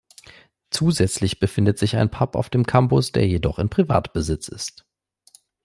Zusätzlich befindet sich ein Pub auf dem Campus, der jedoch in Privatbesitz ist.